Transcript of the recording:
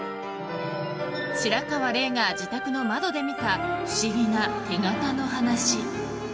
白河れいが自宅の窓で見た不思議な手形の話。